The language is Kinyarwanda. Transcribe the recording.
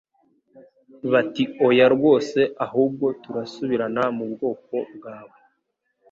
bati oya rwose Ahubwo turasubirana mu bwoko bwawe